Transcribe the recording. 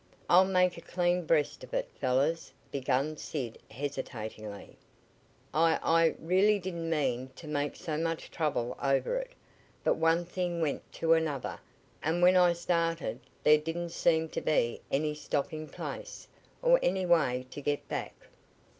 "I'll make a clean breast of if, fellows," began Sid hesitatingly. "I I really didn't mean to make so much trouble over it, but one thing went to another, and when I started there didn't seem to be any stopping place, or any way to get back.